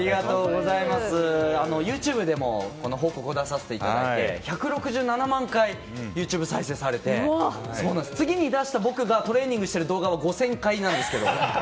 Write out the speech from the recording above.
ＹｏｕＴｕｂｅでも報告を出させていただいてて１６７万回ＹｏｕＴｕｂｅ、再生されて次に出した僕がトレーニングしている動画は５０００回なんですけど。